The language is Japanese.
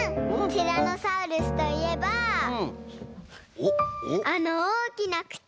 ティラノサウルスといえばあのおおきなくち！